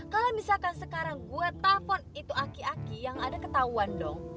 kalo misalkan sekarang gue telfon itu aki aki yang ada ketauan dong